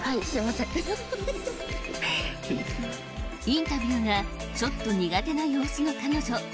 インタビューがちょっと苦手な様子の彼女。